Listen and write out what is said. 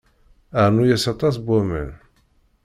Rnu-yas aṭas n waman.